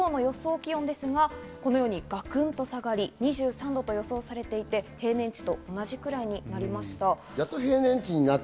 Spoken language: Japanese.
気温は、ガクンと下がり２３度と予想されていて、平年値と同じくらいになりました。